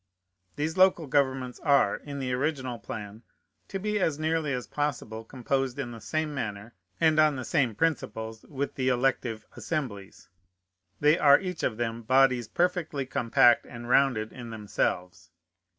These local governments are, in the original plan, to be as nearly as possible composed in the same manner and on the same principles with the elective assemblies. They are each of them bodies perfectly compact and rounded in themselves.